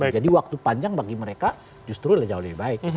jadi waktu panjang bagi mereka justru jauh lebih baik